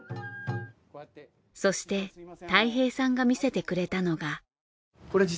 そしてたい平さんが見せてくれたのが。